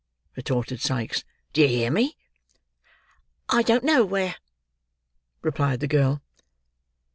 retorted Sikes. "Do you hear me?" "I don't know where," replied the girl.